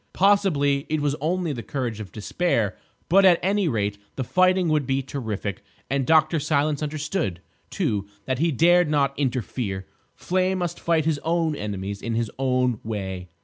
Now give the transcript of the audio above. Possibly it was only the courage of despair, but at any rate the fighting would be terrific. And Dr. Silence understood, too, that he dared not interfere. Flame must fight his own enemies in his own way.